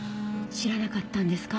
知らなかったんですか？